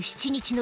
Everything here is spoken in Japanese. の